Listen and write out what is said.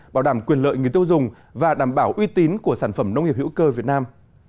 bảo đảm quyền lợi người tiêu dùng và đảm bảo uy tín của sản phẩm nông nghiệp hữu cơ việt nam